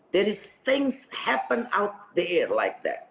ada hal yang terjadi di luar negeri seperti itu